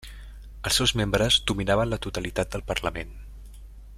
Els seus membres dominaven la totalitat del parlament.